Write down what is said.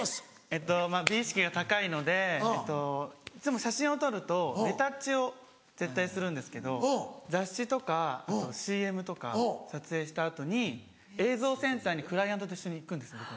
えっとまぁ美意識が高いのでいっつも写真を撮るとレタッチを絶対するんですけど雑誌とかＣＭとか撮影した後に映像センターにクライアントと一緒に行くんです僕も。